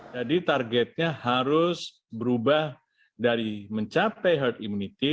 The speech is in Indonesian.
jadi targetnya harus berubah dari mencapai herd immunity